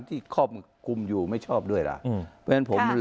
ที่ความคุมอยู่ไม่ชอบด้วยล่ะจริงหรือเปล่าประชาธิปไตยเหรอ